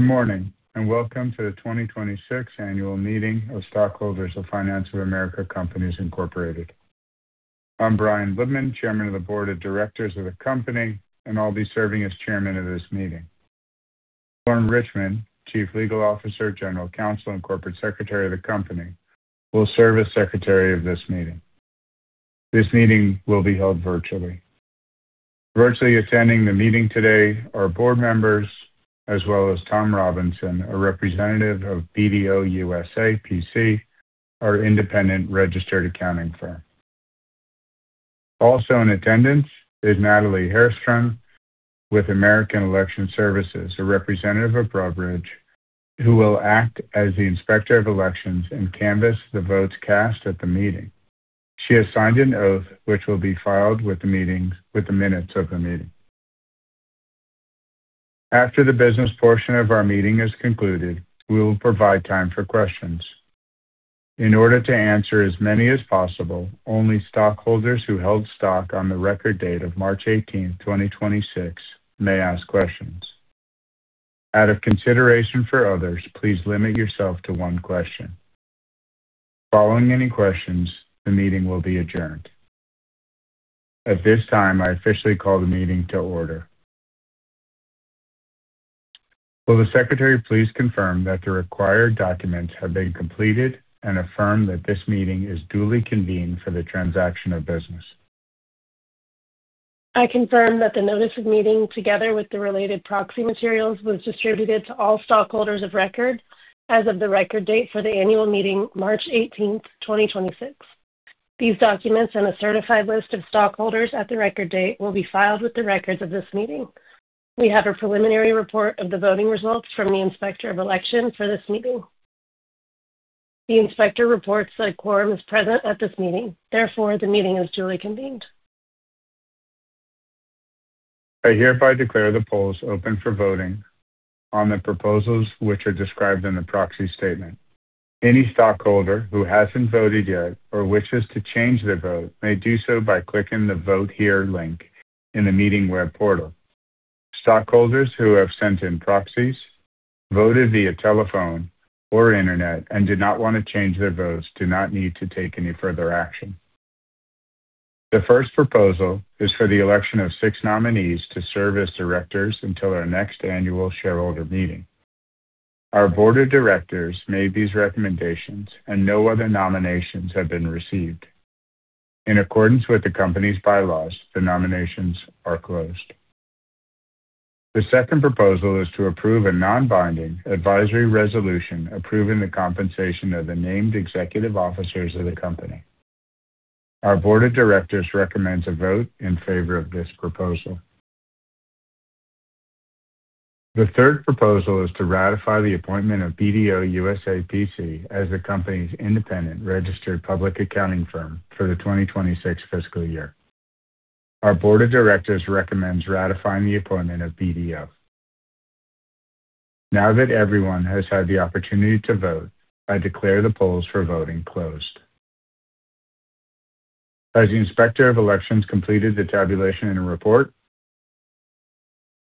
Good morning, and welcome to the 2026 Annual Meeting of stockholders of Finance of America Companies Inc. I'm Brian Libman, Chairman of the Board of Directors of the company, and I'll be serving as Chairman of this meeting. Lauren Richmond, Chief Legal Officer, General Counsel, and Corporate Secretary of the company, will serve as Secretary of this meeting. This meeting will be held virtually. Virtually attending the meeting today are Board members as well as Tom Robinson, a representative of BDO USA, P.C., our independent registered accounting firm. Also in attendance is Natalie Hairston with American Election Services, a representative of Broadridge, who will act as the Inspector of Election and canvass the votes cast at the meeting. She has signed an oath which will be filed with the minutes of the meeting. After the business portion of our meeting is concluded, we will provide time for questions. In order to answer as many as possible, only stockholders who held stock on the record date of March 18th, 2026 may ask questions. Out of consideration for others, please limit yourself to one question. Following any questions, the meeting will be adjourned. At this time, I officially call the meeting to order. Will the Secretary please confirm that the required documents have been completed and affirm that this meeting is duly convened for the transaction of business? I confirm that the notice of meeting, together with the related proxy materials, was distributed to all stockholders of record as of the record date for the Annual Meeting, March 18th, 2026. These documents and a certified list of stockholders at the record date will be filed with the records of this meeting. We have a preliminary report of the voting results from the Inspector of Election for this meeting. The inspector reports that quorum is present at this meeting. Therefore, the meeting is duly convened. I hereby declare the polls open for voting on the proposals which are described in the proxy statement. Any stockholder who hasn't voted yet or wishes to change their vote may do so by clicking the Vote Here link in the meeting web portal. Stockholders who have sent in proxies, voted via telephone or internet and do not want to change their votes do not need to take any further action. The first proposal is for the election of six nominees to serve as Directors until our next Annual Shareholder Meeting. Our Board of Directors made these recommendations, and no other nominations have been received. In accordance with the company's bylaws, the nominations are closed. The second proposal is to approve a non-binding advisory resolution approving the compensation of the named executive officers of the company. Our Board of Directors recommends a vote in favor of this proposal. The third proposal is to ratify the appointment of BDO USA, P.C. as the company's independent registered public accounting firm for the 2026 fiscal year. Our Board of Directors recommends ratifying the appointment of BDO. Now that everyone has had the opportunity to vote, I declare the polls for voting closed. Has the Inspector of Elections completed the tabulation and report?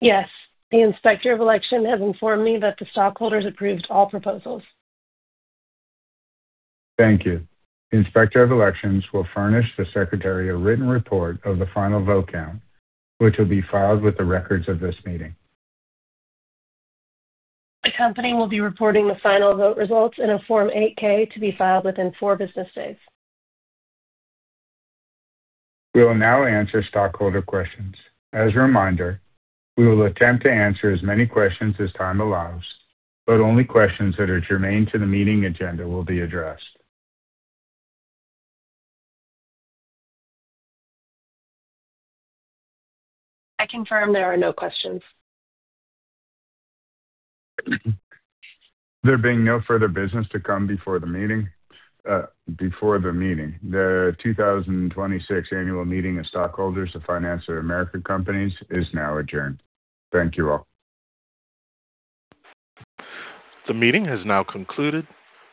Yes. The Inspector of Election has informed me that the stockholders approved all proposals. Thank you. The Inspector of Election will furnish the Secretary a written report of the final vote count, which will be filed with the records of this meeting. The company will be reporting the final vote results in a Form 8-K to be filed within four business days. We will now answer stockholder questions. As a reminder, we will attempt to answer as many questions as time allows, but only questions that are germane to the meeting agenda will be addressed. I confirm there are no questions. There being no further business to come before the meeting, the 2026 annual meeting of stockholders of Finance of America Companies is now adjourned. Thank you all. The meeting has now concluded.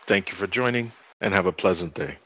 Thank you for joining, and have a pleasant day.